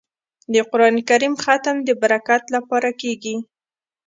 د قران کریم ختم د برکت لپاره کیږي.